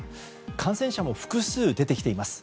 感染者も複数出てきています。